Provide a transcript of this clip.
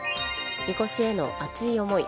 みこしへの熱い思い。